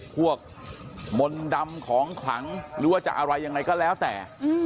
พวกมนต์ดำของขลังหรือว่าจะอะไรยังไงก็แล้วแต่